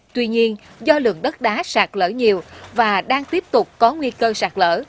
tuy nhiên do lượng đất đá sạt lỡ nhiều và đang tiếp tục có nguy cơ sạt lỡ